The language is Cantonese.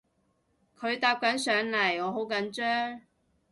佢搭緊上嚟我好緊張